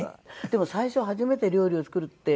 でも最初初めて料理を作るって。